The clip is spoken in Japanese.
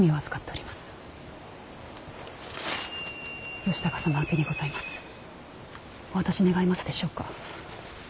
お渡し願えますでしょうか。